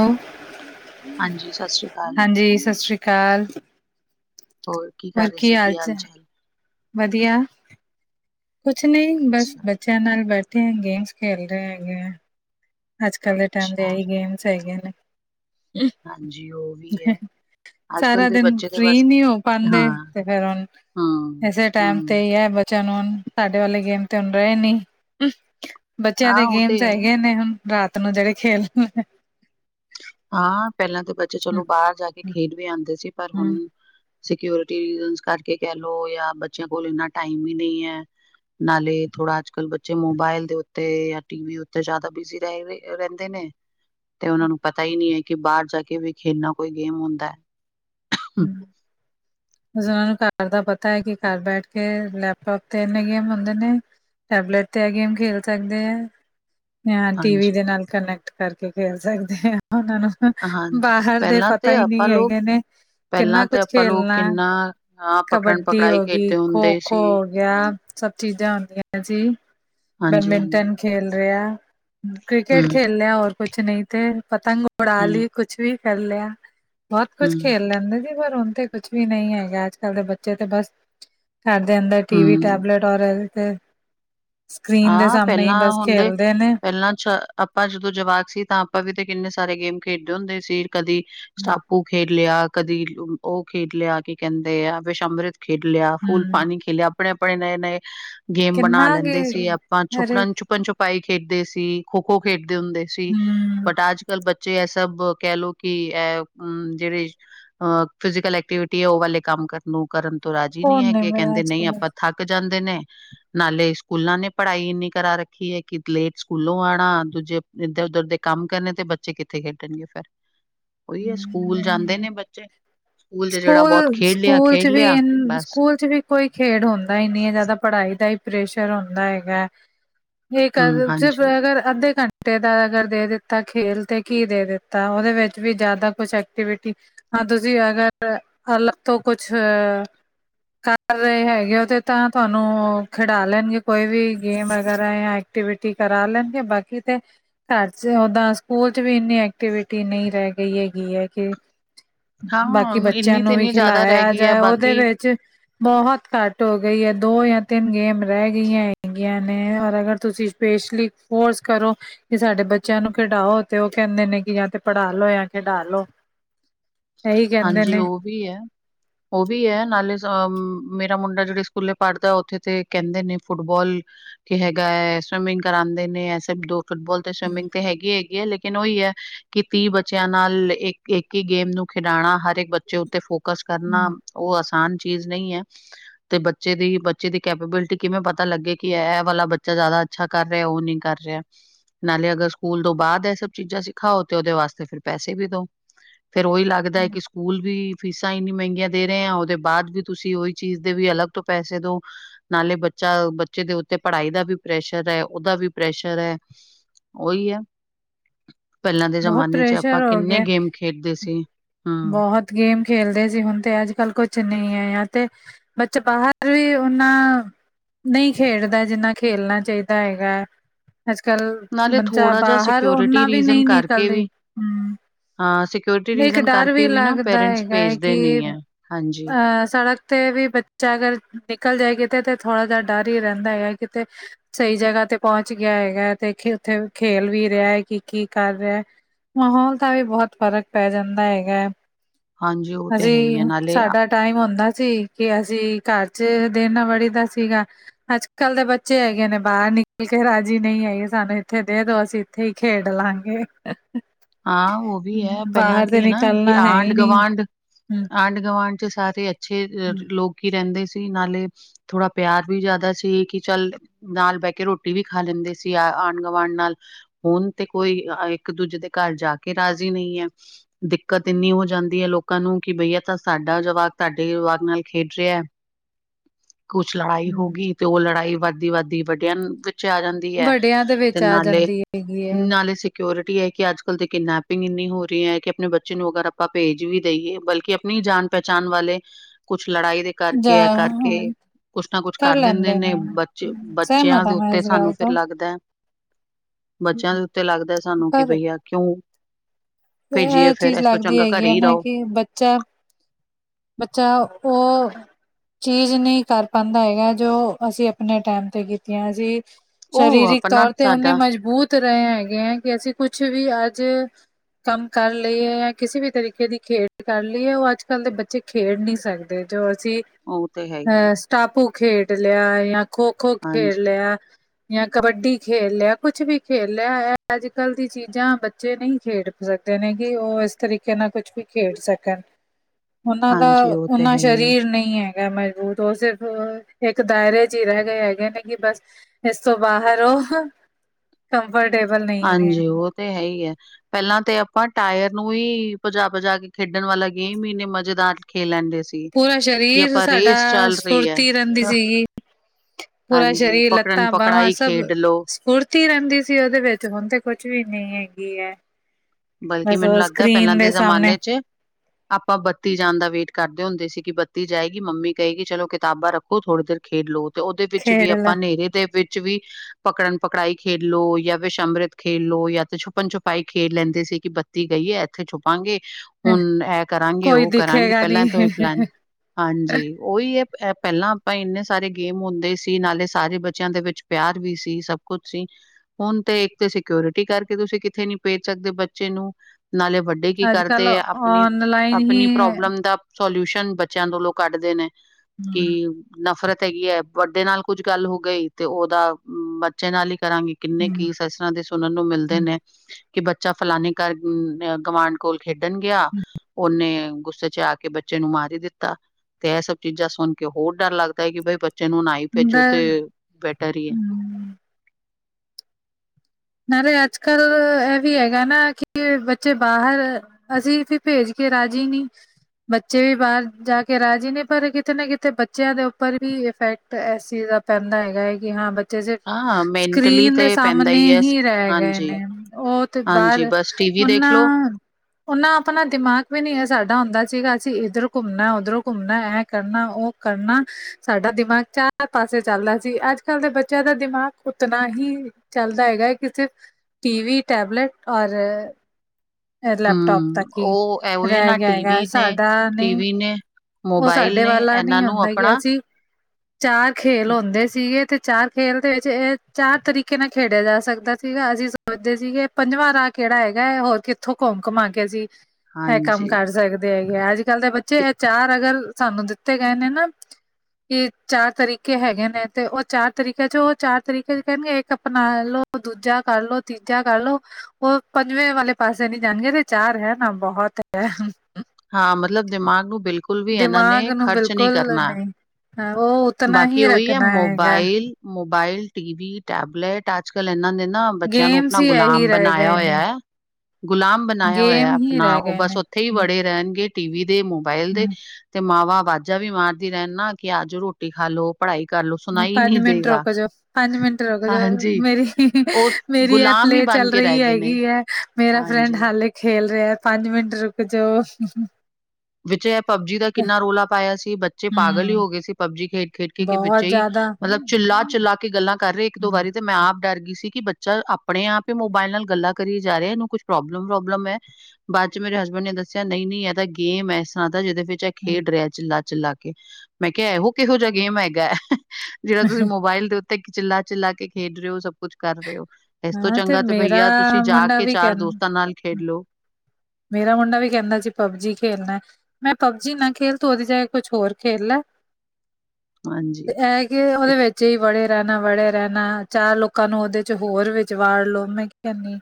Hello ਹਾਂਜੀ ਸਤਿ ਸ੍ਰੀ ਅਕਾਲ ਹਾਂਜੀ ਸਤਿ ਸ੍ਰੀ ਅਕਾਲ ਹੋਰ ਕੀ ਕਰ ਰਹੇ ਸੀ ਕੀ ਹਾਲ ਚਾਲ। ਵਧੀਆ ਕੁਛ ਨਹੀਂ ਬਸ ਅੱਛਾ ਬੱਚਿਆਂ ਨਾਲ ਬੈਠੇ ਹੈਗੇ ਗੇਮਸ ਖੇਲ ਰਹੇ ਹੈਗੇ ਹੈ। ਅੱਜ ਕੱਲ ਦੇ ਟਾਈਮ ਦੇ ਅੱਛਾ ਇਹੀ ਗੇਮਸ ਹੈਗੇ ਨੇ ਹਾਂਜੀ ਉਹ ਵੀ ਹੈ। ਅੱਜ ਕੱਲ ਸਾਰਾ ਦੇ ਦਿਨ ਬੱਚੇ ਤੇ ਫ੍ਰੀ ਬਸ ਨੀ ਹੋ ਹਾਂ ਪਾਦੇ ਤੇ ਫੇਰ ਹੁਨ ਹਾਂ ਇਸੇ ਟਾਈਮ ਤੇ ਹਮ ਏਹੀ ਬ ਬੱਚਿਆਂ ਨੂੰ ਹੁਣ ਸਾਡੇ ਵਾਲੇ ਗੇਮ ਤੇ ਹੁਣ ਰਹੇ ਨੀ ਬੱਚਿਆਂ ਹਾਂ ਦੇ ਉਹ ਤੇ ਗੇਮਸ ਹੈ ਹੈਗੇ ਨੇ ਹੁਣ। ਰਾਤ ਨੂੰ ਜਿਹੜੇ ਖੇਲ, ਹਾਂ ਪਹਿਲਾਂ ਤਾਂ ਬੱਚੇ ਚਲੋ ਬਾਹਰ ਜਾ ਕੇ ਖੇਡ ਵੀ ਆਉਂਦੇ ਸੀ ਪਰ ਹਮ ਹੁਣ ਸਕਿਓਰਟੀ ਰੀਜ਼ਨਸ ਕਰਕੇ ਕਹਿ ਲਓ ਜਾਂ ਬੱਚਿਆਂ ਕੋਲ ਇੰਨਾ ਟਾਈਮ ਹੀ ਨਹੀਂ ਹੈ। ਨਾਲੇ ਥੋੜਾ ਅੱਜ ਕੱਲ੍ਹ ਬੱਚੇ ਮੋਬਾਇਲ ਦੇ ਉੱਤੇ ਜਾਂ ਟੀ ਵੀ ਉੱਤੇ ਜ਼ਿਆਦਾ ਬਿਜ਼ੀ ਰਹਿ ਰਹਿੰਦੇ ਨੇ ਤੇ ਉਹਨਾਂ ਨੂੰ ਪਤਾ ਹੀ ਨਹੀਂ ਹੈ ਕਿ ਬਾਹਰ ਜਾ ਕੇ ਵੀ ਖੇਲਣਾ ਕੋਈ ਗੇਮ ਹੁੰਦਾ। ਅ ਉਹ ਹਮ, ਨੂੰ [unintelligible] ਘਰ ਦਾ ਪਤਾ ਹੈ ਕਿ ਘਰ ਬੈਠ ਕੇ ਲੈਪਟੋਪ ਤੇ ਇੰਨੇ ਗੇਮ ਹੁੰਦੇ ਨੇ ਟੈਬਲੇਟ ਤੇ ਇਹ ਗੇਮ ਖੇਲ ਸਕਦੇ ਏ ਜਾਂ ਟੀ ਵੀ ਹਾਂਜੀ ਦੇ ਨਾਲ ਕਨੈਕਟ ਕਰਕੇ ਖੇਲ ਸਕਦੇ ਹਾਂ। ਉਹਨਾਂ ਨੂੰ ਹਾਂਜੀ, ਬਾਹਰ ਦੇ ਪਹਿਲਾਂ ਪਤਾ ਤੇ ਹੀ ਆਪਾਂ ਨਹੀਂ ਲੋਕ ਹੈਗੇ ਨੇ ਪਹਿਲਾਂ ਕਿੰਨਾ ਤੇ ਕੁਛ ਆਪਾਂ ਲੋਕ ਖੇਲਣਾ ਕਿੰਨਾ ਹਾਂ, ਕਬੱਡੀ ਪਕੜਨ-ਪਕੜਾਈ ਹੋ ਗਈ, ਖੇਡਦੇ ਹੁੰਦੇ ਖੋ-ਖੋ ਸੀ। ਹੋ ਗਿਆ ਸਭ ਚੀਜ਼ਾਂ ਆਉਂਦੀਆਂ ਸੀ ਹਾਂਜੀ-ਹਾਂਜੀ, ਬੈਡਮਿੰਟਨ ਖੇਲ ਲਿਆ, ਕ੍ਰਿਕਟ ਹੂੰ, ਖੇਲ ਲਿਆ ਹੋਰ ਕੁਛ ਨਹੀਂ ਤੇ, ਪਤੰਗ ਉੜਾ ਹੂੰ, ਲਈ ਕੁਛ ਵੀ ਖੇਲ ਲਿਆ ਬਹੁਤ ਕੁਝ ਹੂੰ, ਖੇਲ ਲੈਂਦੇ ਸੀ ਪਰ ਹੁਣ ਤੇ ਕੁਛ ਵੀ ਨਹੀਂ ਹੈਗਾ ਅੱਜ ਕੱਲ੍ਹ ਦੇ ਬੱਚੇ ਤੇ ਬਸ ਘਰ ਦੇ ਅੰਦਰ ਟੀ ਵੀ ਹੂੰ। ਟੈਬਲੇਟ ਔਰ ਅ ਹਾਂ, ਪਹਿਲਾਂ ਹੁੰਦੇ ਪਹਿਲਾਂ ਚ ਆਪਾਂ ਜਦੋਂ ਜਵਾਕ ਸੀ। ਤਾਂ ਆਪਾਂ ਵੀ ਤੇ ਕਿੰਨੇ ਸਾਰੇ ਗੇਮ ਖੇਡਦੇ ਹੁੰਦੇ ਸੀ। ਕਦੀ ਸਟਾਪੂ ਖੇਡ ਲਿਆ। ਕਦੀ ਉਹ ਖੇਡ ਲਿਆ ਕੀ ਕਹਿੰਦੇ ਆ। ਵਿਸ਼ ਅੰਮ੍ਰਿਤ ਖੇਡ ਲਿਆ, ਫੂਲ ਹਮ ਪਾਣੀ ਖੇਲਿਆ। ਆਪਣੇ ਆਪਣੇ ਨਏ ਨਏ ਗੇਮ ਬਣਾ ਲੈਂਦੇ ਸੀ। ਆਪਾਂ ਛੁਪੜਨ ਛੁਪਨ ਛੁਪ ਭਾਈ ਖੇਡਦੇ ਸੀ। ਖੋ- ਖੋ ਖੇਡਦੇ ਹੁੰਦੇ ਸੀ। ਬਟ ਅੱਜ ਕੱਲ੍ਹ ਬੱਚੇ ਇਹ ਸਭ ਕਹਿ ਲਓ। ਕਿ ਇਹ ਜਿਹੜੇ ਅ ਫਿਜ਼ਕਲ ਐਕਟੀਵਿਟੀ ਆ। ਉਹ ਵਾਲੇ ਕੰਮ ਕਰਨ ਨੂੰ ਕਰਨ ਤੋਂ ਰਾਜ਼ੀ ਨਹੀਂ ਹੈਗੇ। ਕਹਿੰਦੇ ਨਹੀਂ ਆਪਾਂ ਥੱਕ ਜਾਂਦੇ ਨੇ, ਨਾਲੇ ਸਕੂਲਾਂ ਨੇ ਪੜ੍ਹਾਈ ਇੰਨੀ ਕਰਾ ਰੱਖੀ ਹੈ। ਕਿ ਲੇਟ ਸਕੂਲੋਂ ਆਣਾ ਦੂਜੇ ਇੱਧਰ ਉਧਰ ਦੇ ਕੰਮ ਕਰਨੇ ਤੇ ਬੱਚੇ ਕਿੱਥੇ ਖੇਡਣਗੇ। ਫੇਰ ਉਹੀ ਓ ਸਕੂਲ ਜਾਂਦੇ ਨੇ ਬੱਚੇ। ਸਕੂਲ ਚ ਜਿਹੜਾ ਬਹੁਤ ਸਕੂਲ, ਖੇਡ ਲਿਆ ਸਕੂਲ ਚ ਖੇਡ ਵੀ ਲਿਆ ਈ ਬਸ ਸਕੂਲ ਚ ਵੀ ਕੋਈ ਖੇਡ ਹੁੰਦਾ ਹੀ ਨਹੀਂ ਇੰਨਾ ਦਾ ਪੜ੍ਹਾਈ ਦਾ ਹੀ ਪ੍ਰੇਸ਼ਰ ਹੁੰਦਾ ਹੈਗਾ। ਇਹ ਹਮ ਘਰ ਚ ਹਾਂਜੀ ਅੱਧੇ ਘੰਟੇ ਬੂਟੇ ਦਾ ਅਗਰ ਦੇ ਦਿੱਤਾ ਖੇਲ ਤੇ ਕੀ ਦੇ ਦਿੱਤਾ। ਉਹਦੇ ਵਿੱਚ ਵੀ ਜ਼ਿਆਦਾ ਕੁਛ ਐਕਟੀਵਿਟੀ। ਹਾਂ, ਤੁਸੀਂ ਅਗਰ ਅਲਗ ਤੋਂ ਕੁਛ। ਕਰ ਰਹੇ ਹੈਗੇ। ਉਹਦੇ ਤਾਂ ਤੁਹਾਨੂੰ ਖਿਡਾ ਲੈਣਗੇ ਕੋਈ ਵੀ ਗੇਮ ਵਗੈਰਾ ਜਾਂ ਆਟਿਮ ਐਕਟਿਵੀਟੀ ਕਰਾ ਲੈਣਗੇ। ਬਾਕੀ ਤੇ ਘਰ ਚ ਓਦਾਂ ਸਕੂਲ ਚ ਵੀ ਇਨੀ ਐਕਟੀਵਿਟੀ ਨਹੀਂ ਰਹੇ ਇਹੀ ਹੈਗੀ ਹੈ, ਕਿ ਹਾਂ ਬਾਕੀ ਬੱਚਿਆਂ ਇੰਨੀ ਤੇ ਨੂੰ ਵੀ ਇੰਨੀ ਜ਼ਿਆਦਾ ਰਹਿ ਖਿਲਾਇਆ ਗਈ ਹੈ ਜਾਏ, ਉਹਦੇ ਬਾਕੀ ਵਿੱਚ ਬਹੁਤ ਘੱਟ ਹੋ ਗਈ ਹੈ, ਦੋ ਜਾਂ ਤਿੰਨ ਗੇਮ ਰਹਿ ਗਈਆਂ ਹੈਗੀਆਂ ਨੇ, ਔਰ ਅਗਰ ਤੁਸੀਂ। ਫੋਰਸ ਕਰੋ, ਕਿ ਸਾਡੇ ਬੱਚਿਆਂ ਨੂੰ ਖਿਡਾਓ 'ਤੇ ਉਹ ਕਹਿੰਦੇ ਨੇ, ਕਿ ਜਾਂ ਤੇ ਪੜ੍ਹਾ ਲੋ ਜਾਂ ਖਿਡ ਹੈਲੋ, [inaudible] ਹਾਂਜੀ, ਉਹ ਵੀ ਹੈ, ਉਹ ਵੀ ਹੈ, ਨਾਲੇ ਅ ਮੇਰੇ ਮੁੰਡਾ ਜਿਹੜੇ ਸਕੂਲੇ ਪੜ੍ਹਦਾ ਉੱਥੇ ਤੇ ਕਹਿੰਦੇ ਨੇ ਫੁੱਟਬਲ ਤੇ ਹੈਗਾ ਏ ਸਵਿਮਿੰਗ ਕਰਾਦੇ ਨੇ, ਨਹੀਂ ਇਹ ਸਬ ਦੋ ਫੁੱਟਬਾਲ 'ਤੇ ਸਵਿਮਿੰਗ ਤੇ ਹੈਗੀ, ਹੈਗੀ ਏ ਲੇਕਿਨ- ਲੇਕਿਨ ਉਹੀ ਹੈ, ਕਿ ਤੀਹ ਬੱਚਿਆਂ ਨਾਲ ਇੱਕ-ਇੱਕ ਹੀ ਗੇਮ ਨੂੰ ਖਿਡਾਣਾ, ਹਰ ਇੱਕ ਬੱਚੇ ਉੱਤੇ ਫੋਕ ਫੋਕਸ ਕਰਨਾ ਉਹ, ਆਸਾਨ ਚੀਜ਼ ਨਹੀਂ ਹੈ, ਤੇ ਬੱਚੇ ਦੀ ਬੱਚੇ ਦੀ ਕੈਪੇਬਿਲਿਟੀ ਕਿਵੇਂ ਪਤਾ ਲੱਗੇ, ਕਿ ਇਹ ਵਾਲਾ ਬੱਚਾ ਜ਼ਿਆਦਾ ਅੱਛਾ ਕਰ ਰਿਹਾ, ਉਹ ਨਹੀ ਕਰ ਰਿਹਾ। ਨਾਲੇ ਅਗਰ ਸਕੂਲ ਤੋਂ ਬਾਅਦ ਇਹ ਸਭ ਚੀਜ਼ਾਂ ਸਿਖਾਓ, ਤੇ ਉਹਦੇ ਵਾਸਤੇ ਫਿਰ ਪੈਸੇ ਵੀ ਦਉ, ਫੇਰ ਉਹੀ ਲੱਗਦਾ ਹੈ, ਕਿ ਸਕੂਲ ਵੀ ਫੀਸਾਂ ਇੰਨੀ ਮਹਿੰਗੀਆਂ ਦੇ ਰਹੇ ਆ, ਉਹਦੇ ਬਾਅਦ ਵੀ ਤੁਸੀਂ ਉਹੀ ਚੀਜ਼ ਦੇ ਵੀ ਅਲੱਗ ਤੋਂ ਪੈਸੇ ਦੋ ਨਾਲੇ ਬਚ ਬੱਚਾ ਬੱਚੇ ਦੇ ਉੱਤੇ ਪੜ੍ਹਾਈ ਦਾ ਵੀ ਪ੍ਰੈਸ਼ਰ ਹੈ। ਉਹਦਾ ਵੀ ਪ੍ਰੈਸ਼ਰ ਹੈ ਉਹੀ ਹੈ। ਪਹਿਲਾਂ ਦੇ ਬਹੁਤ ਜ਼ਮਾਨੇ ਚ ਆਪਾਂ ਪ੍ਰੈਸ਼ਰ ਹੋ ਕਿੰਨੇ ਗਿਆ ਗੇਮ ਖੇਡਦੇ ਸੀ। ਹਮ ਬਹੁਤ ਗੇਮ ਗੇਮ ਖੇਲਦੇ ਸੀ। ਹੁਣ ਤੇ ਅੱਜ ਕੱਲ੍ਹ ਕੁਛ ਨਹੀਂ ਏ, ਜਾਂ ਤੇ ਬੱਚੇ ਬਾਹਰ ਵੀ ਉਹਨਾਂ। ਨਹੀਂ, ਖੇਡਦਾ ਜਿੰਨਾ ਖੇਲਣਾ ਚਾਹੀਦਾ ਹੈਗਾ। ਅੱਜ ਕੱਲ ਨਾਲੇ ਬੰਚਾ ਥੋੜਾ ਜਿਹਾ ਬਾਹਰ ਸਿਕਿਓਰਿਟੀ ਓਨਾ ਵੀ ਰੀਜ਼ਨ ਨਹੀਂ ਕਰਕੇ ਨਿਕਲਦੇ। ਵੀ ਹੂੰ ਹਾਂ ਸਿਕਿਓਰਿਟੀ ਨਹੀਂ, ਇੱਕ ਰੀਜ਼ਨ ਡਰ ਵੀ ਕਰਕੇ ਨਾ ਲੱਗਦਾ ਪੇਰੈਂਟਸ ਹੈਗਾ ਹੈ। ਭੇਜਦੇ ਕਿ ਨਹੀਂ ਹੈ ਹਾਂਜੀ ਅਹ, ਸੜਕ ਤੇ ਵੀ ਬੱਚਾ ਅਗਰ ਨਿਕਲ ਜਾਏ ਕਿਤੇ ਤੇ ਥੋੜ੍ਹਾ ਜਿਹਾ ਡਰ ਹੀ ਰਹਿੰਦਾ ਹੈਗਾ, ਕਿਤੇ ਸਹੀ ਜਗ੍ਹਾ ਤੇ ਪਹੁੰਚ ਗਿਆ ਹੈਗਾ, 'ਤੇ ਉੱਥੇ ਖੇਲ ਵੀ ਰਿਹਾ ਹੈ, ਕਿ ਕੀ ਕਰ ਰਿਹਾ ਮਾਹੌਲ ਦਾ ਵੀ ਬਹੁਤ ਫ਼ਰਕ ਪੈ ਜਾਂਦਾ ਹੈਗਾ। ਹਾਂਜੀ ਉਹ ਤੇ ਹੈ ਹੀ ਹਜੇ, ਹੈ ਨਾਲੇ ਆ- ਸਾਡਾ ਟਾਈਮ ਹੁੰਦਾ। ਸੀ, ਕਿ ਅਸੀਂ ਘਰ ਚ ਦੇਰ ਨਾ ਵੜੀ ਦਾ ਸੀਗਾ, ਅੱਜ-ਕੱਲ ਦੇ ਬੱਚੇ ਹੈਗੇ ਨੇ ਬਾਹਰ, ਨਿਕਲ ਕੇ ਰਾਜੀ ਨਹੀਂ ਹੈਗੇ, ਸਾਨੂੰ ਇੱਥੇ ਦੇ ਦੋ ਅਸੀਂ ਇੱਥੇ ਹੀ ਖੇਡ ਲਾਂਗੇ। ਹਾਂ, ਉਹ ਵੀ ਹੈ, ਪਹਿਲਾਂ ਬਾਹਰ ਤੇ ਕੀ ਨਾ ਕਿ ਨਿਕਲਣਾ ਹੈ ਹੀ ਨਹੀਂ ਆਂਢ-ਗਵਾਂਢ ਹਮ ਆਂਢ -ਗੁਆਂਢ ਚ ਸਾਰੇ ਅੱਛੇ ਅ ਲੋਕ ਹੀ ਰਹਿੰਦੇ ਸੀ। ਨਾਲੇ ਥੋੜਾ ਪਿਆਰ ਵੀ ਜ਼ਿਆਦਾ ਸੀ, ਕਿ ਚੱਲ ਨਾਲ ਬਹਿ ਕੇ ਰੋਟੀ ਵੀ ਖਾ ਲੈਂਦੇ ਸੀ, ਆ ਆਢ-ਗੁਆਂਢ ਨਾਲ ਹੁਣ 'ਤੇ ਕੋਈ ਇੱਕ ਦੂਜੇ ਦੇ, ਘਰ ਜਾ ਕੇ ਰਾਜ਼ੀ ਨਹੀਂ ਹੈ, ਦਿੱਕਤ ਇੰਨੀ ਹੋ ਜਾਂਦੀ ਹੈ, ਲੋਕਾਂ ਨੂੰ ਕਿ ਬਈ ਏ ਤਾਂ ਸਾਡਾ ਜਵਾਕ ਤੁਹਾਡੇ ਵਾਕ ਨਾਲ ਖੇਡ ਰਿਹਾ। ਕੁਛ ਲੜਾਈ ਹੋ ਹਮ ਗਈ ਤੇ ਉਹ ਲੜਾਈ ਵੱਧਦੀ ਵੱਧਦੀ ਵੱਡ ਆ ਜਾਂਦੀ ਹੈ, ਵੱਡਿਆਂ ਦੇ ਤੇ ਵਿੱਚ ਆ ਜਾਂਦੀ ਹੈਗੀ ਹੈ ਨਾਲੇ-ਨਾਲੇ ਸਿਕਓਰਿਟੀ ਹੈ ਕਿ ਅੱਜ ਕਿਡਨੈਪਿੰਗ ਇੰਨੀ ਹੋ ਰਹੀ ਹੈ ਕਿ ਅਪਣੇ ਬੱਚੇ ਨੂੰ ਅਗਰ, ਆਪਾਂ ਭੇਜ ਵੀ ਦੇਈਏ ਬਲਕਿ ਆਪਣੀ ਜਾਣ ਪਹਚਾਣ ਵਾਲ ਕੁਛ ਲੜਾਈ ਦੇ ਕਰਕੇ ਏ ਕਰਕੇ ਜਾਂ ਕੁਛ ਨਾ ਕੁਛ ਕਰ ਦਿੰਦੇ ਨੇ ਬੱਚੇ ਬੱਚਿਆਂ ਸਹਿਮਤ ਦੇ ਹਾਂ ਮੈਂ ਉੱਤੇ, ਇਸ ਸਾਨੂੰ ਗੱਲ ਫਿਰ ਤੋਂ ਲੱਗਦਾ ਬੱਚਿਆਂ ਦੇ ਉੱਤੇ ਲੱਗਦਾ ਹੈ ਸਾਨੂੰ ਕਿ ਪਰ ਬਈ ਏ ਕਿਉਂ ਭੇਜੀਏ ਇਹ ਫੇਰ ਚੀਜ਼ ਇਸ ਤੋਂ ਲੱਗਦੀ ਚੰਗਾ ਘਰੇ ਹੈਗੀ ਹੀ ਨਾ ਰਹੋ ਕਿ ਬੱਚਾ ਬੱਚਾ ਉਹ ਚੀਜ਼ ਨਹੀਂ ਕਰ ਪਾਦਾ ਹੈਗਾ ਜੋ ਅਸੀਂ ਅਪਣੇ ਟੈਮ ਤੇ ਕੀਤੀਆਂ ਸੀ। ਉਹ ਸ਼ਰੀਰਿਕ ਆਪਣਾ ਤੌਰ ਤੇ ਔਨੇ ਸਾਡਾ ਮਜ਼ਬੂਤ ਰਹੇ ਹੈਗੇ ਹੈ ਕਿ ਅਸੀਂ ਕੁਛ ਵੀ ਅੱਜ ਕੰਮ ਕਰ ਲਈ ਏ ਜਾਂ ਕਿਸੇ ਵੀ ਤਰੀਕੇ ਦੀ ਖੇਡ ਕਰ ਲਈ ਏ, ਉਹ ਅੱਜ ਕੱਲ੍ਹ ਦੇ ਬੱਚੇ ਖੇਡ ਨਹੀਂ ਸਕਦੇ ਜੋ ਅਸੀਂ ਉਹ ਤੇ ਹੈ ਹੀ ਆ ਅਹ ਸਟਾਪੂ ਖੇਡ ਲਿਆ ਜਾਂ ਖੋ-ਖੋ ਖੇਡ ਹਾਂਜੀ, ਲਿਆ। ਜਾਂ ਕਬੱਡੀ ਖੇਲ ਲਿਆ ਕੁਛ ਵੀ ਖੇਲ ਲਿਆ, ਇਹ ਅੱਜ ਕੱਲ੍ਹ ਦੀ ਚੀਜ਼ਾਂ ਬੱਚੇ ਨਹੀਂ ਖੇਡ ਸਕ ਦੇ ਨੇ ਕਿ ਉਹ ਇਸ ਤਰੀਕੇ ਨਾਲ ਕੁਛ ਵੀ ਖੇਡ ਸਕਣ [inaudible] ਉਹਨਾਂ ਦਾ ਹਾਂਜੀ ਉਹ ਤੇ ਉਨਾਂ ਹੈ ਹੀ ਹੈ ਸਰੀਰ ਨਹੀ ਹੈ ਮਜ਼ਬੂਤ ਉਹ ਸਿਰਫ ਇੱਕ ਦਾਇਰੇ ਚ ਹੀ ਰਹਿ ਗਏ ਹੈਗੇ ਨੇ, ਕਿ ਬਸ ਇਸ ਤੋਂ ਬਾਹਰ ਉਹ ਤਾਂ ਹਾਂਜੀ ਉਹ ਤੇ ਹੈ ਹੀ ਏ। ਪਹਿਲਾਂ ਤੇ ਆਪਾਂ ਟਾਇਰ ਨੂੰ ਵੀ ਭਜਾ ਭਜਾ ਕੇ ਖੇਡਣ ਵਾਲਾ ਗੇਮ ਹੀ ਇੰਨੇ ਮਜ਼ੇਦਾਰ ਖੇਲ ਲੈਂਦੇ ਸੀ। ਪੂਰਾ ਕਿ ਸਰੀਰ ਆਪਾਂ ਸਾਡਾ ਰੇਸ ਚੱਲ ਰਹੀ ਹੈ। ਸੂਰਤੀ ਰਹਿੰਦੀ ਸੀਗੀ। ਪੂਰਾ ਹਾਂਜੀ ਸਰੀਰ ਪਕੜਨ ਲੱਤਾਂ ਬਾਹਵਾਂ ਪਕੜਾਈ ਸਭ ਖੇਡ ਲੋ ਸਫੁਰਤੀ ਰਹਿੰਦੀ ਸੀ ਉਹਦੇ ਵਿੱਚ, ਹੁਣ ਤੇ ਕੁਛ ਵੀ ਨੀ ਹੈਗੀ ਹੈ। ਬਲਕਿ ਬਸ ਮੈਨੂੰ ਉਹ ਲੱਗਦਾ ਪਹਿਲਾਂ ਸਕਰੀਨ ਦੇ ਸਾਹਮਣੇ ਜ਼ਮਾਨੇ ਚ ਆਪਾਂ ਬੱਤੀ ਜਾਣ ਦਾ ਵੇਟ ਕਰਦੇ ਹੁੰਦੇ ਸੀ ਕਿ ਬੱਤੀ ਜਾਏਗੀ ਮੰਮੀ ਕਹੇਗੀ ਚਲੋ, ਕਿਤਾਬਾਂ ਰੱਖੋ ਥੋੜੀ ਦੇਰ ਖੇਡ ਲੋ ਤੇ ਉਹਦੇ ਵਿੱਚ ਵੀ ਖੇਡ ਲਾ ਆਪਾਂ ਨੇਰੇ ਦੇ ਵਿੱਚ ਵੀ ਪਕੜਨ ਪਕੜਾਈ ਖੇਲੋ ਜਾਂ ਵਿਸ਼ ਅੰਮ੍ਰਿਤ ਖੇਲੋ ਜਾਂ ਤੇ ਛੁਪਨ ਛੁਪਾਈ ਖੇਡ ਲੈਂਦੇ ਸੀ। ਕਿ ਬੱਤੀ ਗਈ ਹੈ ਇੱਥੇ ਛੁਪਾਂਗੇ, ਤੇ ਹੁਣ ਇਹ ਕਰਾਂਗੇ, ਕੋਈ ਉਹ ਕਰਾਂਗੇ, ਦਿਖੇਗਾ ਪਹਿਲਾਂ ਤੋਂ ਹੀ ਨਹੀਂ ਪਲੈਨ, ਹਾਂਜੀ ਉਹੀ ਹੈ ਇਹ ਪਹਿਲਾਂ ਆਪਾਂ ਇੰਨੇ ਸਾਰੇ ਗੇਮ ਹੁੰਦੇ ਸੀ ਨਾਲੇ ਸਾਰੇ ਬੱਚਿਆਂ ਦੇ ਵਿੱਚ ਪਿਆਰ ਵੀ ਸੀ ਸਭ ਕੁਛ ਸੀ। ਹੁਣ ਤਾਂ ਇੱਕ ਤਾਂ ਸਿਓਰਿਟੀ ਕਰਕੇ ਤੁਸੀਂ ਕਿੱਥੇ ਨੀ ਭੇਜ ਸਕਦੇ ਬੱਚੇ ਨੂੰ ਨਾਲੇ ਵੱਡੇ ਕੀ ਅੱਜ ਕਰਦੇ ਕੱਲ ਅਪਣੀ, ਅਪਣੀ ਔਨਲਾਈਨ ਹੀ ਆਪਣੀ ਪ੍ਰੋਬਲਮ ਦਾ ਸੋਲਿਊਸ਼ਨ ਬੱਚਿਆਂ ਕੋਲੋਂ ਕੱਢਦੇ ਨੇ ਕਿ ਨਫ਼ਰਤ ਹੈਗੀ ਹੈ, ਵੱਡੇ ਨਾਲ ਕੁੱਝ ਗੱਲ ਹੋ ਗਈ ਤੇ ਉਹਦਾ ਬੱਚੇ ਨਾਲ ਈ ਕਰਾਂਗੇ, ਕਿੰਨੇ ਕੇਸ ਇਸ ਤਰ੍ਹਾਂ ਦੇ ਸੁਣਨ ਨੂੰ ਮਿਲਦੇ ਨੇ ਕਿ ਬੱਚਾ ਫਲਾਨੇ ਘਰ ਗਵਾਂਢ ਕੋਲ ਖੇਡਣ ਗਿਆ ਉਹਨੇ ਗੁੱਸੇ ਚ ਆ ਕੇ ਬੱਚੇ ਨੂੰ ਮਾਰ ਹੀ ਦਿੱਤਾ। ਦਿੱਤਾ ਤੇ ਇਹ ਸਭ ਚੀਜ਼ਾਂ ਸੁਣ ਕੇ ਹੋਰ ਡਰ ਲੱਗਦਾ ਹੈ ਕਿ ਬਈ ਬਚ ਬੱਚੇ ਨੂੰ ਨਾ ਹੀ ਭੇਜੋ ਦਾ ਤੇ ਬੈਟਰ ਹੀ ਏ। ਨਾਲੇ ਅੱਜ ਕੱਲ ਇਹ ਵੀ ਹੈਗਾ ਨਾ ਕਿ ਬੱਚੇ ਬਾਹਰ ਅਸੀਂ ਵੀ ਭੇਜ ਕੇ ਰਾਜੀ ਜੀ ਨੀ ਬੱਚੇ ਵੀ ਬਾਹਰ ਜਾ ਕੇ ਰਾਜੀ ਨੇ, ਪਰ ਕਿਤੇ ਨਾ ਕਿਤੇ ਬੱਚਿਆਂ ਦੇ ਉੱਪਰ ਵੀ ਇਫੈਕਟ ਇਸ ਚੀਜ਼ ਦਾ ਪੈਂਦਾ ਹੈਗਾ ਹੈ ਕਿ ਹਾਂ ਬੱਚੇ ਸ ਹਾਂ ਮੈਂਟਲੀ ਸਕਰੀਨ ਦੇ ਤੇ ਪੈਂਦਾ ਸਾਹਮਣੇ ਹੈ ਹੀ ਰਹਿ ਗਏ ਹਾਂਜੀ ਨੇ ਉਹ ਤੇ ਹਾਂਜੀ ਬਾਹਰ ਬਸ ਟੀਵੀ ਹੁਣ ਦੇਖ ਨਾ ਲੋ ਓਨਾਂ ਅਪਣਾ ਦਿਮਾਗ ਵੀ ਨੀ ਹੈ ਸਾਡਾ ਹੁੰਦਾ ਸੀਗਾ ਅਸੀਂ ਇਧਰ ਘੁੰਮਣਾ, ਉਧਰੋਂ ਘੁੰਮਣਾ, ਐ ਕਰਨਾ, ਉਹ ਕਰਨਾ, ਸਾਡਾ ਦਿਮਾਗ ਚਾਰੋ ਪਾਸੇ ਚੱਲ ਦਾ ਸੀ ਅੱਜ ਕੱਲ ਦੇ ਬੱਚਿਆਂ ਦਾ ਦਿਮਾਗ ਉਤਨਾ ਹੀ ਚੱਲਦਾ ਹੈਗਾ ਸਿਰਫ ਟੀ ਵੀ, ਟੈਬਲੇਟ ਔਰ ਲੈਪਟੋਪ ਹਮ ਤੱਕ ਹੀ ਉਹ ਇਹੋ ਹੀ ਹੈ ਰਹਿ ਨਾ ਗਿਆ ਹੈਗਾ ਟੀਵੀ ਨੇ ਸਾਡਾ ਨੀ ਟੀਵੀ ਨੇ ਓ ਮੋਬਾਇਲ ਸਾਡੇ ਨੇ ਵਾਲਾ ਨੀ ਇਹਨਾਂ ਨੂੰ ਆਂਦਾ ਕਿ ਆਪਣਾ ਅਸੀਂ ਚਾਰ ਖੇਲ ਹੁੰਦੇ ਸੀਗੇ ਤੇ ਚਾਰ ਖੇਲ ਦੇ ਵਿੱਚ ਏ ਚਾਰ ਤਰੀਕੇ ਨਾਲ ਖੇਡਿਆ ਜਾ ਸਕ ਦਾ ਸੀਗਾ ਅਸੀਂ ਸੋਚਦੇ ਸੀਗੇ ਪੰਜਵਾਂ ਰਾਹ ਕਿਹੜਾ ਹੈਗਾ ਹੋਰ ਕਿੱਥੋਂ ਘੁੰਮ ਘੁਮਾ ਕੇ ਅਸੀ ਐ ਕੰਮ ਹਾਂਜੀ ਕਰ ਸਕਦੇ ਹੈਗੇ ਆ ਅੱਜ ਕੱਲ੍ਹ ਦੇ ਬੱਚੇ ਤੇ ਏ ਚਾਰ ਅਗਰ ਸਾਨੂੰ ਦਿੱਤੇ ਗਏ ਨੇ ਨਾ ਕੀ ਚਾਰ ਤਰੀਕੇ ਹੈਗੇ ਨੇ ਤੇ ਓ ਚਾਰ ਤਰੀਕ ਚ ਓ ਚਾਰ ਤਰੀਕੇ ਕਹਿੰਦੇ ਇੱਕ ਅਪਣਾ ਲੋ ਓ ਦੂਜਾ ਕਰਲੋ, ਤੀਜਾ ਕਰਲੋ, ਓ ਪੰਜਵੇਂ ਵਾਲੇ ਪਾਸੇ ਨੀ ਜਾਣਗੇ ਤੇ ਚਾਰ ਹੈ ਨਾ ਬੋਹ [unintelligible] ਹਾਂ ਮਤਲਬ ਦਿਮਾਗ ਨੂੰ ਬਿਲਕੁੱਲ ਵੀ ਏਨਾਂ ਨੇ ਦਿਮਾਗ ਨੂੰ ਖ਼ਰਚ ਨੀ ਬਿਲਕੁਲ ਕਰਨਾ। ਨਹੀਂ ਹਾਂ ਉਹ ਉਤਨਾ ਬਾਕੀ ਹੀ ਓਹੀ ਐ ਰੱਖਣਾ ਹੈਗਾ ਮੋਬਾਈਲ-ਮੋਬਾਈਲ ਟੀਵੀ ਟੈਬਲੇਟ ਅੱਜ ਕੱਲ ਏਨਾਂ ਨੇ ਨਾ ਬੱਚਿਆਂ ਨੂੰ ਗੇਮਸ ਆਪਣਾ ਹੀ ਇਹੀ ਗੁਲਾਮ ਰਹਿ ਬਣਾਇਆ ਗਏ ਨੇ ਹੋਇਆ ਗੁਲਾਮ ਬਣਾਇਆ ਹੋਇਆ ਗੇਮ ਹੀ ਆਪਣਾ ਰਹਿ ਓ ਗਏ ਬਸ ਨੇ ਉੱਥੇ ਈ ਵੜੇ ਰੈ ਰਹਿਣਗੇ ਟੀ ਵੀ ਦੇ, ਮੋਬਾਇਲ ਦੇ ਤੇ, ਮਾਂ ਬਾਪ ਬਾਜਾਂ ਵੀ ਮਾਰਦੀ ਰਹਿਣ ਨਾ ਕਿ ਆਜੋ ਰੋਟੀ ਖਾ ਲੋ। ਪੜ੍ਹਾਈ ਕਰ ਲੋ ਸੁਣਾਈ ਪੰਜ ਨਹੀਂ ਮਿੰਟ ਦੇਗਾ ਰੁਕ ਜੌ ਪੰਜ ਮਿੰਟ ਰੁਕ ਜੌ ਹਾਂਜੀ ਉਹ ਮੇਰੀ-ਮੇਰੀ ਐ ਗੁਲਾਮ ਹੀ ਪਲੇਅ ਬਣ ਚੱਲ ਕੇ ਰਹਿ ਰੀ ਗਏ ਹੈਗੀ ਨੇ ਐ ਮੇਰਾ ਫਰੈਂਡ ਹਾਂਜੀ ਹਾਲੇ ਖੇਲ ਰਿਆ। ਪੰਜ ਮਿੰਟ ਰੁਕ ਜੌ ਵਿੱਚ ਐ ਪਬਜੀ ਦਾ ਕਿੰਨਾ ਰੋਲਾ ਪਾਇਆ ਸੀ ਬੱਚੇ ਪਾਗਲ ਈ ਹਮ ਹੋ ਗਏ ਸੀ ਪਬਜੀ ਖੇਡ ਖੇਡ ਕੇ ਕੇ ਬਹੁਤ ਬੱਚੇ ਈ ਜ਼ਿਆਦਾ ਮਤਲਬ ਚਿੱਲਾ ਚਿਲਾ ਕੇ ਗੱਲਾਂ ਕਰ ਰੇ ਇੱਕ ਦੋ ਵਾਰੀ ਤੇ ਮੈਂ ਆਪ ਡਰ ਗੀ ਸੀ ਕਿ ਬੱਚਾ ਆਪਣੇ ਆਪ ਈ ਮੋਬਾਇਲ ਨਾਲ ਗੱਲਾਂ ਕਰੀ ਜਾ ਰਿਆ ਏਨੂੰ ਕੁਛ ਪ੍ਰੋਬਲਮ ਵੋਬਲਮ ਐ ਅੱਜ ਮੇਰੇ ਹਸਬੈਂਡ ਨੇ ਦੱਸਿਆ ਨਈ ਨਈ ਏਤਾ ਗੇਮ ਐ ਇਸ ਤਰ੍ਹਾਂ ਦਾ ਜਿਦੇ ਵਿੱਚ ਐ ਖੇਡ ਰਿਆ ਚੀ ਚਲਾ ਕੇ ਮੈਂ ਕਿਆ ਇਹੋ ਕਿਹੋ ਜਾ ਗੇਮ ਹੈਗਾ ਜੇੜਾ ਤੁਸੀਂ ਮੋਬਾਇਲ ਦੇ ਉ ਤੇ ਇਕ ਚਿੱਲਾ ਚਿੱਲਾ ਕੇ ਖੇਡ ਰੇ ਓ ਸਭ ਕੁੱਛ ਕਰ ਰੇ ਓ। ਇਸ ਤੋਂ ਹਾਂ ਚੰਗਾ ਤੇ ਮੇਰਾ ਭਈਆ ਤੁਸੀਂ ਜਾ ਮੁੰਡਾ ਕੇ ਵੀ ਚਾਰ ਕਹਿੰ ਦੋਸਤਾਂ ਨਾਲ ਖੇਡਲੋ। ਮੇਰਾ ਮੁੰਡਾ ਵੀ ਕੈਂਦਾ ਜੀ ਪਬਜੀ ਖੇਲਣਾ ਮੈਂ ਪਬਜੀ ਨਾ ਖੇਲ ਤੂੰ ਓਦੀ ਜਗਾ ਤੂੰ ਕੁੱਛ ਹੋਰ ਖੇਲ ਲਾ। ਹਾਂਜੀ। ਤੇ ਐ ਕਿ ਓਦੇ ਵਿੱਚ ਈ ਬੜੇ। ਰਹਿਣਾ ਵੜੇ ਰਹਿਣਾ ਚਾਰ ਲੋਕਾਂ ਨੂੰ ਓਦੇ ਚ ਹੋਰ ਵਿਚ ਵਾੜ ਲੋ ਮੈਂ ਕੈਨੀ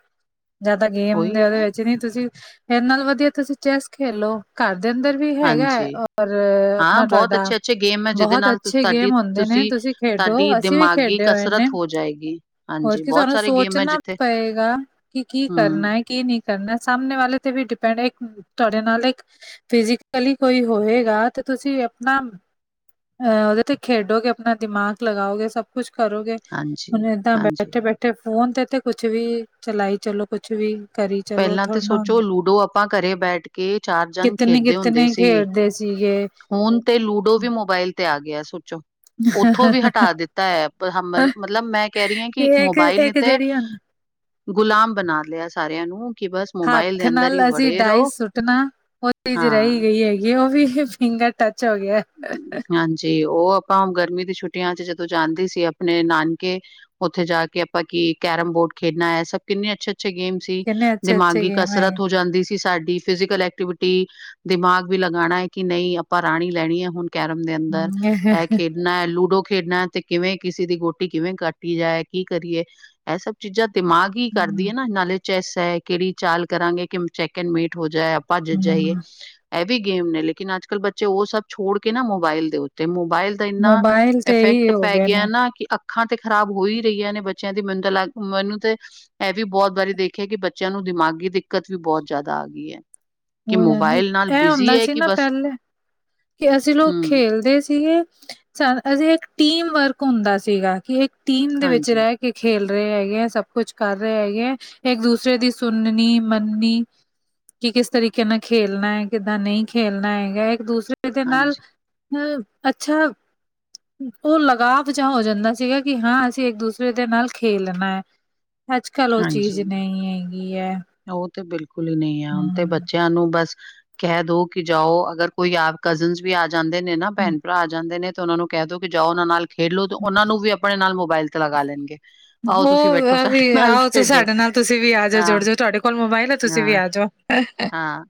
ਜਾਂ ਤਾਂ ਗੇਮ ਉਹੀ ਦੇ ਐ ਓਦੇ ਵਿੱਚ ਨੀ ਤੁਸੀਂ ਏ ਨਾਲ ਵਧੀਆ ਤੁਸੀਂ ਚੈਸ ਖੇਲੋ ਘਰ ਅੰਦਰ ਵੀ ਹੈਗਾ ਹਾਂਜੀ। ਔਰ ਹਾਂ ਆਪਣਾ ਬਹੁਤ ਤੁਹਾਡਾ ਅੱਛੇ-ਅੱਛੇ ਗੇਮ ਹੈ ਜਿਹਦੇ ਬਹੁਤ ਨਾਲ ਤੁਸ ਅੱਛੇ ਤੁਹਾਡੀ ਗੇਮ ਹੁੰਦੇ ਨੇ ਤੁਸੀਂ ਤੁਸੀਂ ਖੇਡੋ ਤੁਹਾਡੀ ਅਸੀਂ ਵੀ ਦਿਮਾਗੀ ਖੇਡੇ ਹੋਏ ਨੇ ਕਸਰਤ ਹੋ ਜਾਏਗੀ ਹੋਰ ਹਾਂਜੀ ਕੀ ਬਹੁਤ ਤੁਹਾਨੂੰ ਸਾਰੇ ਗੇਮ ਹੈ ਸੋਚਣਾ ਜਿੱਥੇ ਪਏਗਾ। ਕੀ-ਕੀ ਹੂੰ ਕਰਨਾ ਏ ਕੀ ਨੀ ਕਰਨਾ ਸਾਮਣੇ ਵਾਲੇ ਤੇ ਵੀ ਡਿਪੈਂਡ ਇੱਕ ਤੁਹਾਡੇ ਨਾਲ ਇੱਕ ਫਿਜ਼ਕਲੀ ਕੋਈ ਹੋਏਗਾ ਤੇ ਤੁਸੀਂ ਆਪਣਾ ਅਹ ਓਦੇ ਤੇ ਖੇਡੋਗੇ ਆਪਣਾ ਦਿਮਾਗ ਲਗਾਓਗੇ ਸਭ ਕੁੱਛ ਕਰੋਗੇ ਹੁਣ ਏਦਾਂ ਹਾਂਜੀ-ਹਾਂਜੀ ਬੈਠੇ-ਬੈਠੇ ਫੋਨ ਤੇ ਤੇ ਕੁੱਛ ਵੀ ਚਲਾਈ ਚਲੋ ਕੁੱਛ ਵੀ ਕਰੀ ਚਲੋ ਪਹਿਲਾਂ ਥੋੜਾ ਤਾਂ ਸੋਚੋ ਨਾ ਲੂਡੋ ਆਪਾਂ ਘਰੇ ਬੈਠ ਕੇ ਚਾਰ ਜਣ ਕਿਤਨੇ ਖੇਡਦੇ ਹੁੰਦੇ ਕਿਤਨੇ ਸੀ ਖੇਡਦੇ ਸੀਗੇ ਹੁਣ ਤੇ ਲੂਡੋ ਵੀ ਮੋਬਾਇਲ ਤੇ ਆ ਗਿਆ ਸੋਚੋ ਉੱਥੋਂ ਵੀ ਹਟਾ ਦਿੱਤਾ ਐ ਹਮਲ ਮਤਲਬ ਮੈਂ ਕੈ ਰੀ ਹਾਂ ਕਿ ਇੱਕ ਮੋਬਾਇਲ ਇੱਕ ਤੇ ਜਿਹੜੀ ਗੁਲਾਮ ਬਣਾ ਲਿਆ ਸਾਰਿਆਂ ਨੂੰ। ਕਿ ਬਸ ਮੋਬਾਇਲ ਹੱਥ ਦੇ ਅੰਦਰ ਨਾਲ ਹੀ ਅਸੀਂ ਵੜੇ ਡਾਈ ਰਹੋ ਸੁੱਟਣਾ ਓ ਚੀਜ਼ ਰੈ ਹਾਂ ਈ ਗਈ ਹੈਗੀ ਓ ਵੀ ਫਿੰਗਰ ਟੱਚ ਹੋ ਗਿਆ। ਹਾਂਜੀ ਉਹ ਆਪਾਂ ਗਰਮੀ ਦੀ ਛੁੱਟੀਆਂ ਚ ਜਦੋਂ ਜਾਂਦੀ ਸੀ ਆਪਣੇ ਨਾਨਕੇ ਉੱਥੇ ਜਾ ਕੇ ਆਪਾਂ ਕੀ ਕੈਰਮ ਬੋਰਡ ਖੇਡਣਾ ਐ ਸਭ ਕਿੰਨੇ ਅੱਛੇ-ਅੱਛੇ ਗੇਮ ਸੀ ਕਿੰਨੇ ਅੱਛੇ ਅੱਛੇ ਦਿਮਾਗੀ ਗੇਮ ਕਸਰਤ ਹੈਗੇ ਹੋ ਜਾਂਦੀ ਸੀ। ਕਿ ਸਾਡੀ ਫਿਜੀਕਲ ਐਕਟੀਵਿਟੀ ਦਿਮਾਗ ਵੀ ਲਗਾਣਾ ਏ ਕਿ ਨਈ ਆਪਾਂ ਰਾਣੀ ਲੈਣੀ ਐ ਹੁਣ ਕੈਰਮ ਦੇ ਅੰਦਰ ਹੂੰ ਖੇਡਣਾ ਐ ਲੂਡੋ ਖੇਡਣਾ ਤੇ ਕਿਵੇਂ ਕਿਸੇ ਦੀ ਗੋਟੀ ਕਿਵੇਂ ਕਾਟੀ ਜਾਏ ਕੀ ਕਰੀਏ ਐ ਸਭ ਚੀਜ਼ਾਂ ਤੇ ਮਾਂ ਕੀ ਕਰਦੀ ਅਯਨਾ ਨਾਲੇ ਚੈਸ ਹੈ ਕਿਹੜੀ ਚਾਲ ਕਰਾਂਗੇ ਕਿ ਚੈੱਕ ਐਂਡ ਮੇਟ ਹੋ ਜਾਏ ਭੱਜ ਜਾਈਏ ਐ ਵੀ ਗੇਮ ਨੇ ਲੇਕਿਨ ਅੱਜ ਕੱਲ੍ਹ ਬੱਚੇ ਓ ਸਭ ਛੋੜ ਕੇ ਨਾ ਮੋਬਾਇਲ ਦੇ ਉੱਤੇ ਮੋ ਬਾਇਲ ਦਾ ਇੰਨਾ ਮੋਬਾਇਲ ਤੇ ਹੀ ਇਫੈਕਟ ਹੋ ਪੈ ਗਏ ਗਿਆ ਨੇ ਨਾ ਕਿ ਅ ਅੱਖਾਂ ਤੇ ਖਰਾਬ ਹੋ ਹੀ ਰਹੀਆਂ ਨੇ ਬੱਚਿਆਂ ਦੀ ਮੈਨੂੰ ਤਾਂ ਲੱਗ ਮੈਨੂੰ ਤੇ ਇਹ ਵੀ ਬਹੁਤ ਵਾਰੀ ਦੇਖਿਆ ਕਿ ਬੱਚਿਆਂ ਨੂੰ ਦਿਮਾਗੀ ਦਿੱਕਤ ਵੀ ਬਹੁਤ ਜ਼ਿਆਦਾ ਆ ਗਈ ਹੈ ਕਿ ਹੋ ਜਾਂਦੀ ਮੋਬਾਇਲ ਨਾਲ ਇਹ ਬਿਜ਼ੀ ਹੁੰਦਾ ਹੈ ਸੀ ਕਿ ਨਾ ਬਸ ਪਹਿਲੇ ਕਿ ਅਸੀਂ ਲੋਕ ਹਮ ਖੇਲਦੇ ਸੀਗੇ ਸ ਅਸੀਂ ਇੱਕ ਟੀਮ ਵਰਕ ਹੁੰਦਾ ਸੀਗਾ ਕਿ ਇੱਕ ਟੀਮ ਦੇ ਵਿੱਚ ਹਾਂਜੀ ਰਹਿ ਕੇ ਖੇਲ ਰਹੇ ਹੈਗੇ ਹੈ ਸਭ ਕੁਛ ਕਰ ਰਹੇ ਹੈਗੇ ਹੈ ਇੱਕ ਦੂਸਰੇ ਦੀ ਸੁਣਨੀ ਮੰਨਨੀ। ਕਿ ਕਿਸ ਤਰੀਕੇ ਨਾਲ ਖੇਲਣਾ ਹੈ ਕਿੱਦਾਂ ਨਹੀਂ ਖੇਲਣਾ ਹੈਗਾ ਇੱਕ ਦੂਸਰੇ ਦੇ ਨਾਲ ਹਾਂਜੀ ਹੂੰ ਅੱਛਾ। ਉਹ ਲਗਾਵ ਜਹਾ ਹੋ ਜਾਂਦਾ ਸੀਗਾ ਕਿ ਹਾਂ ਅਸੀਂ ਇੱਕ ਦੂਸਰੇ ਦੇ ਨਾਲ ਖੇਲਣਾ ਹੈ। ਅੱਜ ਕੱਲ ਉਹ ਚੀਜ਼ ਹਾਂਜੀ ਨਹੀਂ ਹੈਗੀ ਹੈ ਉਹ ਤੇ ਬਿਲਕੁਲ ਹੀ ਨਹੀਂ ਹੈ। ਹੁਣ ਤੇ ਹਮ। ਬੱਚਿਆਂ ਨੂੰ ਬਸ। ਕਹਿ ਦੋ ਕਿ ਜਾਓ ਅਗਰ ਕੋਈ ਆਪ ਕਜ਼ਨ ਵੀ ਆ ਜਾਂਦੇ ਨੇ ਨਾ ਭੈਣ ਭਰਾ ਆ ਜਾਂਦੇ ਨੇ। ਤੇ ਉਹਨਾਂ ਨੂੰ ਕਹਿ ਦੋ ਕਿ ਜਾਓ ਉਹਨਾਂ ਨਾਲ ਖੇਡੋ ਤੇ ਉਹਨਾਂ ਨੂੰ ਵੀ ਆਪਣੇ ਨਾਲ ਮੋਬਾਇਲ ਤੇ ਲਗਾ ਲੈਣਗੇ। ਆਓ ਹੋ ਤੁਸੀਂ ਬੈਠੋ ਹ ਸਾਡੇ ਨਾਲ ਆਹੋ ਖੇਡੋ ਸਾਡੇ ਨਾਲ ਤੁਸੀਂ ਵੀ ਆ ਜਾਓ ਹਾਂ ਜੁੜ ਜਾਓ ਤੁਹਾਡੇ ਕੋਲ ਮੋਬਾਇਲ ਆ ਤੁਸੀਂ ਵੀ ਹਾਂ ਆ ਜਾਓ। ਹਾਂ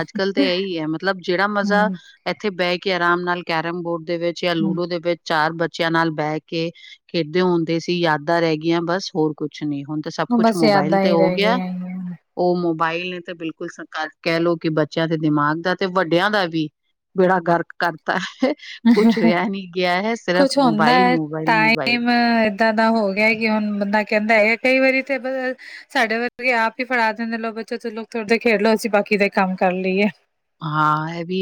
ਅੱਜ ਕੱਲ੍ਹ ਤਾਂ ਇਹੀ ਹੈ। ਮਤਲਬ ਜਿਹੜਾ ਮਜ਼ਾ ਹਮ ਇੱਥੇ ਬਹਿ ਕੇ। ਆਰਾਮ ਨਾਲ ਕੈਰਮ ਬੋਰਡ ਦੇ ਵਿੱਚ ਯਾ ਲੂਡੋ ਹਮ ਦੇ ਵਿੱਚ ਚਾਰ ਬੱਚ ਬੱਚਿਆਂ ਨਾਲ ਬੈ ਕੇ ਖੇਡਦੇ ਹੁੰਦੇ ਸੀ ਯਾਦਾਂ ਰਹਿ ਗਈਆਂ ਬਸ ਹੋਰ ਕੁਛ ਨੀ ਹੁਨ ਤੇ ਸਭ ਕੁਛ ਬਸ ਮੋਬਾਇਲ ਯਾਦਾਂ ਤੇ ਹੀ ਓ ਰਹਿ ਗਿਆ ਗਈਆਂ ਹੈਗੀਆਂ। ਉਹ ਮੋਬਾਇਲ ਨੇ ਤੇ ਬਿਲਕੁਲ ਕੋ [unintelligible] ਕਹਿ ਲਓ ਕਿ ਬੱਚਿਆਂ ਦੇ ਦਿਮਾਗ ਦਾ ਤੇ ਵੱਡਿਆਂ ਦਾ ਵੀ ਬੇੜਾ ਗਰਕ ਕਰਤਾ। ਕੁਛ ਰਿਹਾ ਨੀ ਗਿਆ ਹੈ ਸਿਰਫ ਕੁਛ ਮੋਬਾਈਲ, ਮੋਬਾਈਲ, ਮੋਬਾਈਲ। ਇੱਦਾਂ ਦਾ ਹੋ ਗਿਆ ਕਿ ਹੁਣ ਬੰਦਾ ਕਹਿੰਦਾ ਹੈ ਕਈ ਵਾਰੀ ਤੇ ਬ ਸਾਡੇ ਵਰਗੇ ਆਪ ਈ ਫੜਾ ਦਿੰਦੇ ਲੋਕ ਬੱਚੋਂ ਚ ਲੋ ਥੋੜੇ ਦੇਰ ਖੇਡਲੋ ਅਸੀਂ ਬਾਕੀ ਦੇ ਕੰਮ ਕਰ ਲਈਏ। ਹਾਂ ਏ ਵੀ ਏ।